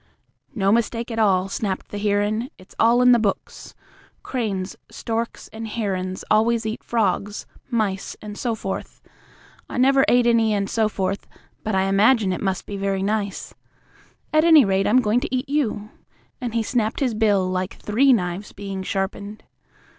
"No mistake at all," snapped the heron. "It's in all the books. Cranes, storks and herons always eat frogs, mice and so forth. I never ate any and so forth, but I imagine it must be very nice. At any rate, I'm going to eat you!" and he snapped his bill like three knives being sharpened.